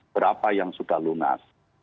berapa yang sudah lunas